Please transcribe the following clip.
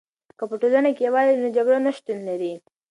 که په ټولنه کې یوالی وي، نو جګړه نه شتون لري.